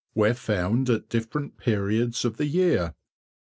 Where found at different periods of the year_?